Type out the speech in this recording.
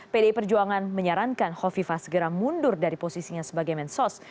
pdi perjuangan menyarankan hovifah segera mundur dari posisinya sebagai mensos